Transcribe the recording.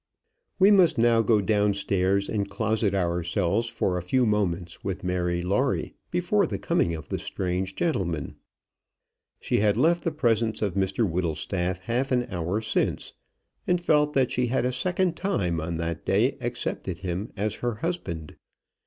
We must now go down stairs and closet ourselves for a few moments with Mary Lawrie before the coming of the strange gentleman. She had left the presence of Mr Whittlestaff half an hour since, and felt that she had a second time on that day accepted him as her husband.